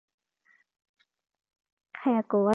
早く終わってほしい